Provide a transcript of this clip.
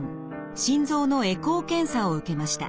心臓のエコー検査を受けました。